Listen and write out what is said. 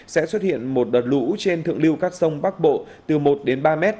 sẽ xuất hiện một đợt lũ trên thượng lưu các sông bắc bộ từ một đến ba m